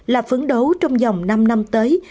là phấn đấu trong dòng năm năm tới